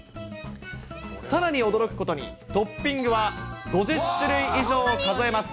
さらに驚くことに、トッピングは５０種類以上を数えます。